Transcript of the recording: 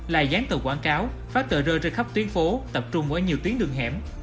lại dán tờ quảng cáo phát tờ rơi ra khắp tuyến phố tập trung ở nhiều tuyến đường hẻm